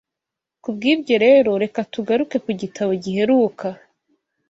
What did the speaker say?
Kubw’ibyo rero, reka tugaruke ku gitabo giheruka